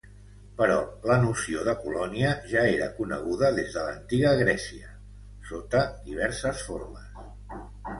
Però la noció de colònia ja era coneguda des de l'Antiga Grècia, sota diverses formes.